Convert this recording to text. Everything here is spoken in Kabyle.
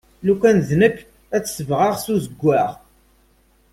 Lukan d nekk ad t-sebɣeɣ s uzegzaw.